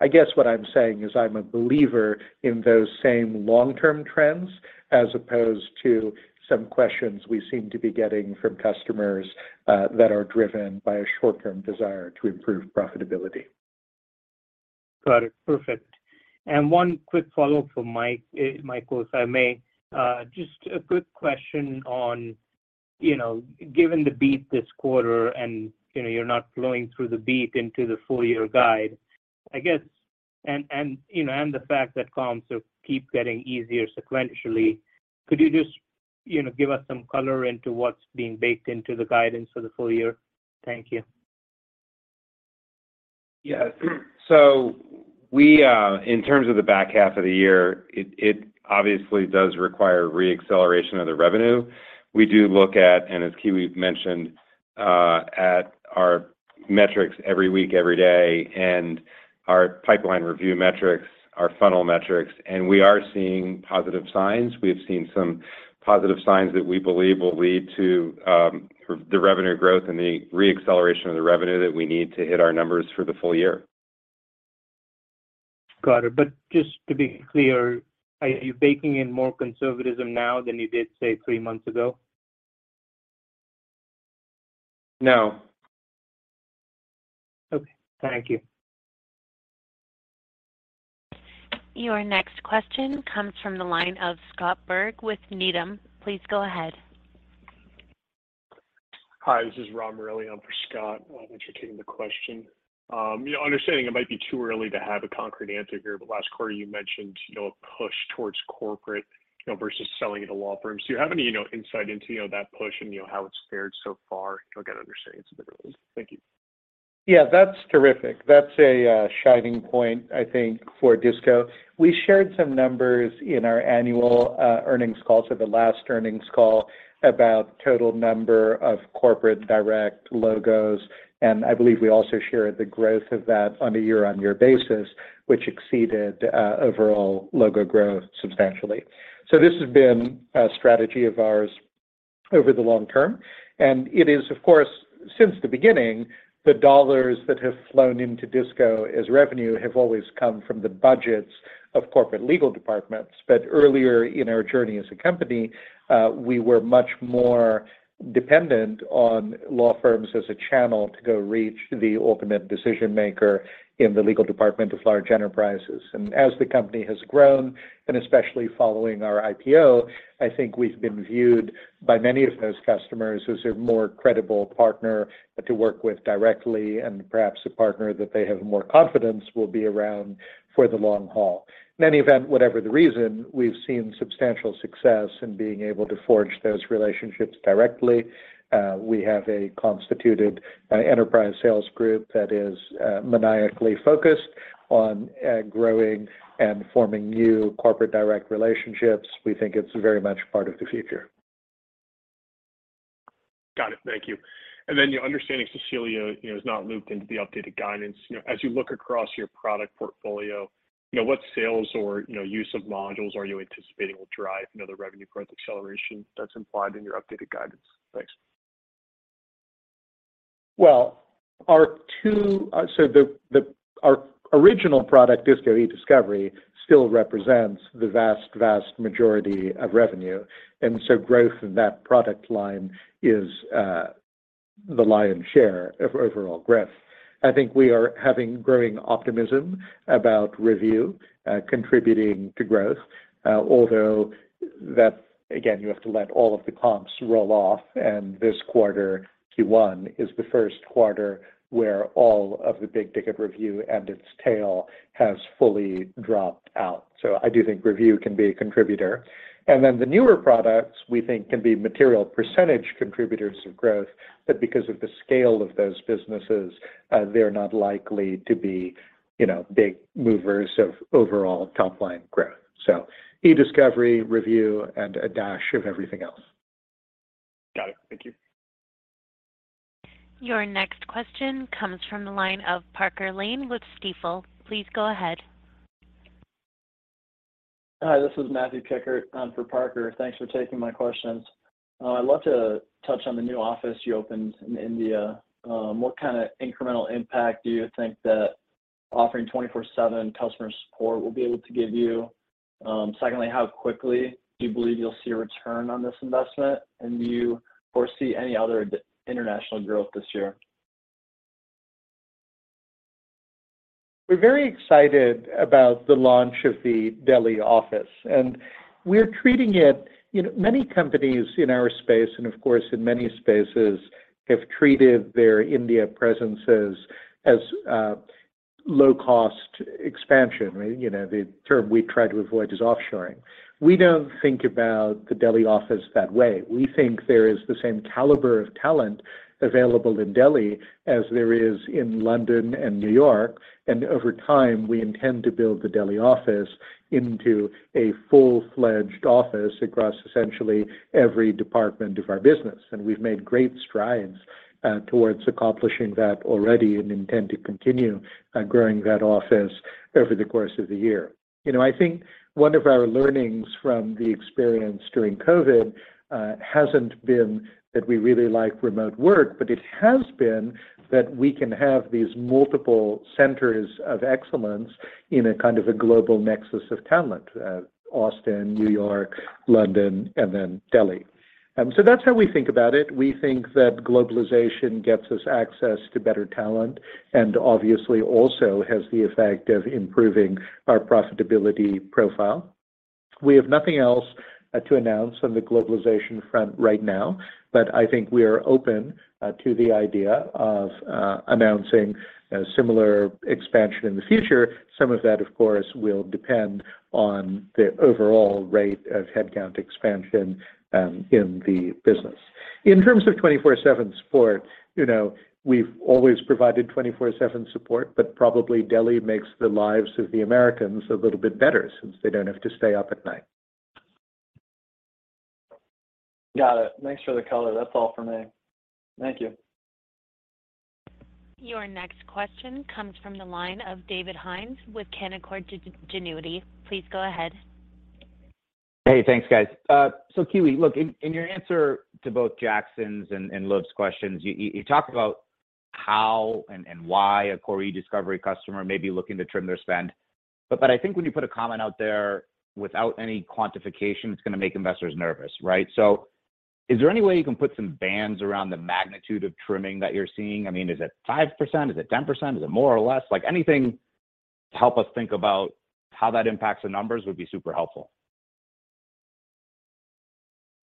I guess what I'm saying is I'm a believer in those same long-term trends as opposed to some questions we seem to be getting from customers that are driven by a short-term desire to improve profitability. Got it. Perfect. One quick follow-up from Michael, if I may. Just a quick question on, you know, given the beat this quarter and, you know, you're not flowing through the beat into the full year guide, I guess... You know, and the fact that comps keep getting easier sequentially, could you just, you know, give us some color into what's being baked into the guidance for the full year? Thank you. Yes. We, in terms of the back half of the year, it obviously does require re-acceleration of the revenue. We do look at, as Kiwi mentioned, at our metrics every week, every day, our pipeline review metrics, our funnel metrics, we are seeing positive signs. We have seen some positive signs that we believe will lead to the revenue growth and the re-acceleration of the revenue that we need to hit our numbers for the full year. Got it. Just to be clear, are you baking in more conservatism now than you did, say, 3 months ago? No. Okay. Thank you. Your next question comes from the line of Scott Berg with Needham. Please go ahead. Hi, this is Rob Morelli on for Scott. I'll entertain the question. You know, understanding it might be too early to have a concrete answer here, last quarter you mentioned, you know, a push towards corporate, you know, versus selling to law firms. Do you have any, you know, insight into, you know, that push and, you know, how it's fared so far? Again, understanding it's a bit early. Thank you. Yeah, that's terrific. That's a shining point I think for DISCO. We shared some numbers in our annual earnings call, so the last earnings call, about total number of corporate direct logos. I believe we also shared the growth of that on a year-on-year basis, which exceeded overall logo growth substantially. This has been a strategy of ours over the long term. It is, of course, since the beginning, the dollars that have flown into DISCO as revenue have always come from the budgets of corporate legal departments. Earlier in our journey as a company, we were much more dependent on law firms as a channel to go reach the ultimate decision maker in the legal department of large enterprises. As the company has grown, and especially following our IPO, I think we've been viewed by many of those customers as a more credible partner to work with directly and perhaps a partner that they have more confidence will be around for the long haul. In any event, whatever the reason, we've seen substantial success in being able to forge those relationships directly. We have a constituted enterprise sales group that is maniacally focused on growing and forming new corporate direct relationships. We think it's very much part of the future. Got it. Thank you. Understanding DISCO Cecilia, you know, is not looped into the updated guidance. As you look across your product portfolio, you know, what sales or, you know, use of modules are you anticipating will drive, you know, the revenue growth acceleration that's implied in your updated guidance? Thanks. Well, our original product, DISCO Ediscovery, still represents the vast majority of revenue. Growth in that product line is the lion's share of overall growth. I think we are having growing optimism about Review contributing to growth. Although that, again, you have to let all of the comps roll off. This quarter, Q1, is the first quarter where all of the big ticket Review and its tail has fully dropped out. I do think Review can be a contributor. The newer products we think can be material % contributors of growth. Because of the scale of those businesses, they're not likely to be, you know, big movers of overall top-line growth. Ediscovery, Review, and a dash of everything else. Got it. Thank you. Your next question comes from the line of Parker Lane with Stifel. Please go ahead. Hi, this is Matthew Kikkert. I'm for Parker. Thanks for taking my questions. I'd love to touch on the new office you opened in India. What kinda incremental impact do you think that offering 24/7 customer support will be able to give you? Secondly, how quickly do you believe you'll see a return on this investment? Do you foresee any other ad- international growth this year? We're very excited about the launch of the Delhi office. We're treating it. You know, many companies in our space, and of course in many spaces, have treated their India presence as low-cost expansion. You know, the term we try to avoid is offshoring. We don't think about the Delhi office that way. We think there is the same caliber of talent available in Delhi as there is in London and New York. Over time, we intend to build the Delhi office into a full-fledged office across essentially every department of our business. We've made great strides towards accomplishing that already and intend to continue growing that office over the course of the year. You know, I think one of our learnings from the experience during COVID hasn't been that we really like remote work, but it has been that we can have these multiple centers of excellence in a kind of a global nexus of talent, Austin, New York, London, and then Delhi. That's how we think about it. We think that globalization gets us access to better talent and obviously also has the effect of improving our profitability profile. We have nothing else to announce on the globalization front right now, I think we are open to the idea of announcing a similar expansion in the future. Some of that, of course, will depend on the overall rate of headcount expansion in the business. In terms of 24/7 support, you know, we've always provided 24/7 support, but probably Delhi makes the lives of the Americans a little bit better since they don't have to stay up at night. Got it. Thanks for the color. That's all for me. Thank you. Your next question comes from the line of David Hynes with Canaccord Genuity. Please go ahead. Hey, thanks, guys. Kiwi, look, in your answer to both Jackson Ader's and Luv Sodha's questions, you talk about how and why a Core eDiscovery customer may be looking to trim their spend. but I think when you put a comment out there without any quantification, it's gonna make investors nervous, right? Is there any way you can put some bands around the magnitude of trimming that you're seeing? I mean, is it 5%? Is it 10%? Is it more or less? Like, anything to help us think about how that impacts the numbers would be super helpful.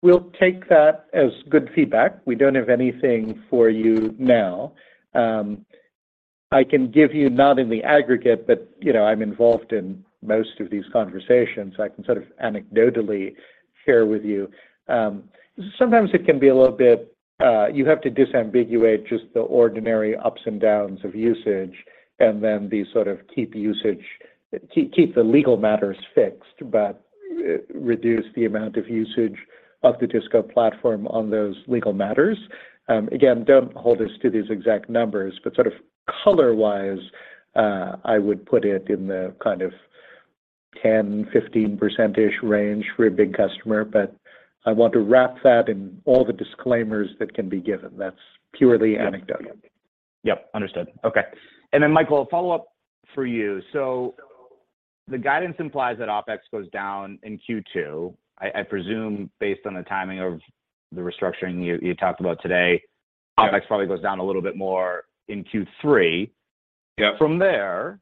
We'll take that as good feedback. We don't have anything for you now. I can give you, not in the aggregate, but, you know, I'm involved in most of these conversations, so I can sort of anecdotally share with you. Sometimes it can be a little bit, you have to disambiguate just the ordinary ups and downs of usage and then the sort of keep the legal matters fixed, but reduce the amount of usage of the DISCO platform on those legal matters. Again, don't hold us to these exact numbers, but sort of color-wise, I would put it in the kind of 10%-15%-ish range for a big customer. I want to wrap that in all the disclaimers that can be given. That's purely anecdotal. Yep. Understood. Okay. Michael, a follow-up for you. The guidance implies that OpEx goes down in Q2. I presume based on the timing of the restructuring you talked about today- Yeah. OpEx probably goes down a little bit more in Q3. Yeah. From there,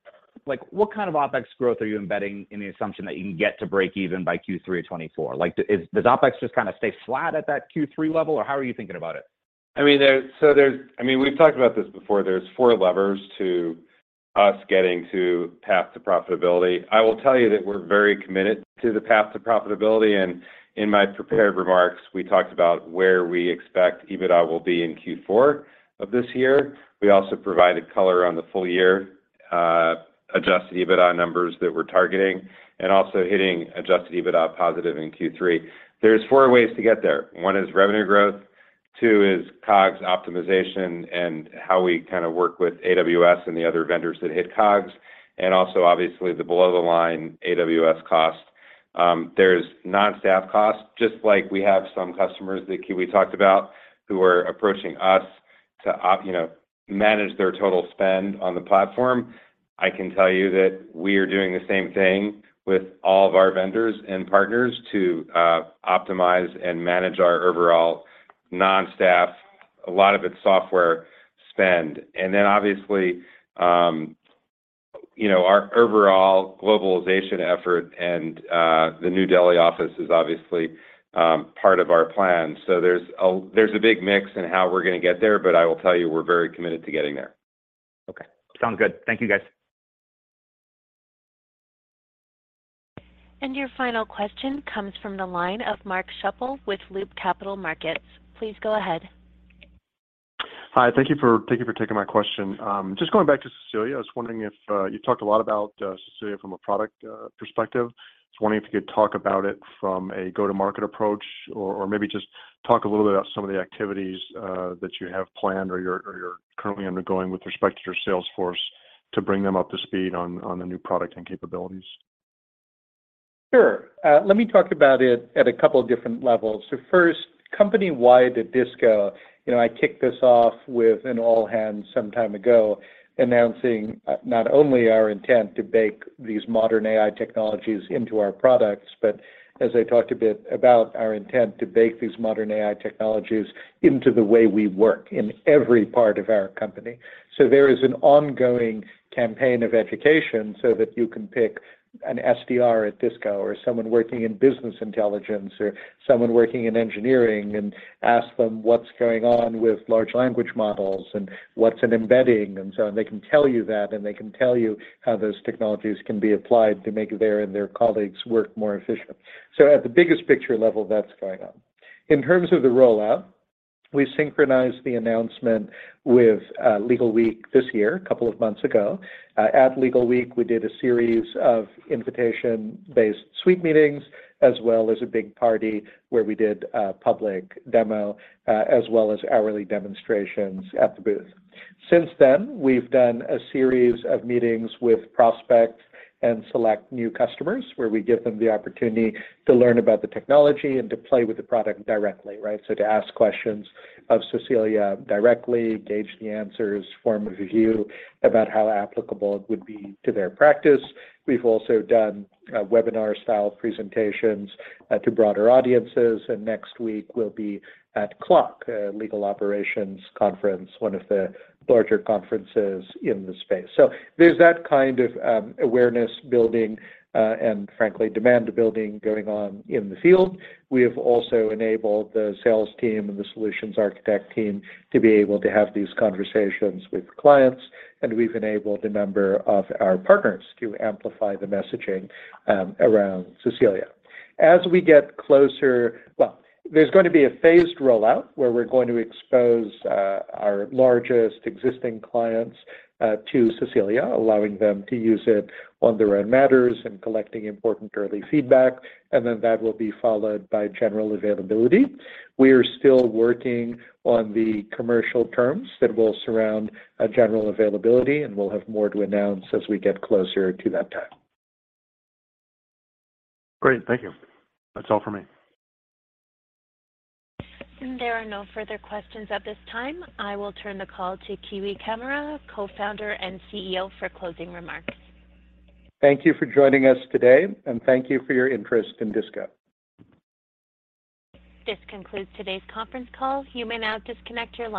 like, what kind of OpEx growth are you embedding in the assumption that you can get to break even by Q3 of 2024? Like, does OpEx just kinda stay flat at that Q3 level, or how are you thinking about it? We've talked about this before. There's four levers to us getting to path to profitability. I will tell you that we're very committed to the path to profitability, and in my prepared remarks, we talked about where we expect EBITDA will be in Q4 of this year. We also provided color on the full year, adjusted EBITDA numbers that we're targeting and also hitting adjusted EBITDA positive in Q3. There's four ways to get there. One is revenue growth, two is COGS optimization and how we kinda work with AWS and the other vendors that hit COGS, and also obviously the below-the-line AWS cost. There's non-staff costs, just like we have some customers that Kiwi talked about who are approaching us to, you know, manage their total spend on the platform. I can tell you that we are doing the same thing with all of our vendors and partners to optimize and manage our overall non-staff, a lot of it's software, spend. Then obviously, you know, our overall globalization effort and the New Delhi office is obviously part of our plan. There's a big mix in how we're gonna get there, but I will tell you we're very committed to getting there. Okay. Sounds good. Thank you, guys. Your final question comes from the line of Mark Schappel with Loop Capital Markets. Please go ahead. Hi. Thank you for taking my question. Just going back to Cecilia. I was wondering if you talked a lot about Cecilia from a product perspective. I was wondering if you could talk about it from a go-to-market approach or maybe just talk a little bit about some of the activities that you have planned or you're currently undergoing with respect to your sales force. To bring them up to speed on the new product and capabilities. Sure. Let me talk about it at a couple different levels. First, company-wide at DISCO, you know, I kicked this off with an all-hands some time ago announcing not only our intent to bake these modern AI technologies into our products, but as I talked a bit about our intent to bake these modern AI technologies into the way we work in every part of our company. There is an ongoing campaign of education so that you can pick an SDR at DISCO or someone working in business intelligence or someone working in engineering and ask them what's going on with large language models and what's an embedding and so on. They can tell you that, and they can tell you how those technologies can be applied to make their and their colleagues' work more efficient. At the biggest picture level, that's going on. In terms of the rollout, we synchronized the announcement with Legalweek this year, a couple of months ago. At Legalweek, we did a series of invitation-based suite meetings, as well as a big party where we did a public demo, as well as hourly demonstrations at the booth. Since then, we've done a series of meetings with prospects and select new customers where we give them the opportunity to learn about the technology and to play with the product directly, right? To ask questions of Cecilia directly, gauge the answers, form a view about how applicable it would be to their practice. We've also done webinar-style presentations to broader audiences, and next week we'll be at CLOC, a legal operations conference, one of the larger conferences in the space. There's that kind of awareness building, and frankly, demand building going on in the field. We have also enabled the sales team and the solutions architect team to be able to have these conversations with clients, and we've enabled a number of our partners to amplify the messaging around Cecilia. Well, there's gonna be a phased rollout where we're going to expose our largest existing clients to Cecilia, allowing them to use it on their own matters and collecting important early feedback, and then that will be followed by general availability. We are still working on the commercial terms that will surround a general availability, and we'll have more to announce as we get closer to that time. Great. Thank you. That's all for me. There are no further questions at this time. I will turn the call to Kiwi Camara, Co-Founder and CEO, for closing remarks. Thank you for joining us today, and thank you for your interest in DISCO. This concludes today's conference call. You may now disconnect your lines.